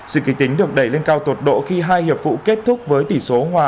sự kỳ tính được đẩy lên cao tột độ khi hai hiệp vụ kết thúc với tỷ số hòa